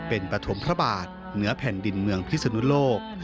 เป็นปฐมพระบาทเหนือแผ่นดินเมืองพิศนุโลก